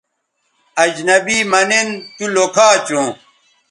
اجنبی مہ نِن تو لوکھا چوں